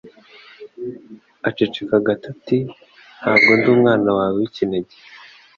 Aceceka gato ati: "Ntabwo ndi umwana wawe w'ikinege."